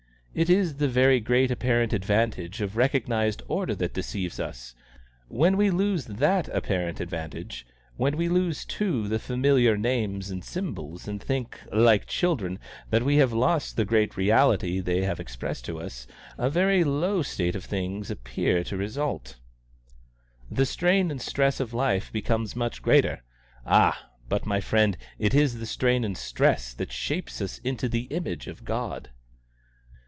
It is the very great apparent advantage of recognised order that deceives us! When we lose that apparent advantage, when we lose, too, the familiar names and symbols, and think, like children, that we have lost the reality they have expressed to us, a very low state of things appears to result. The strain and stress of life become much greater. Ah! but, my friend, it is that strain and stress that shape us into the image of God."